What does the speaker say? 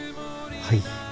はい。